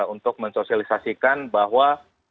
untuk mensosialisasikan bahwa